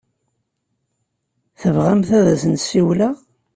Tebɣamt ad as-ssiwleɣ?